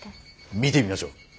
見てみましょう。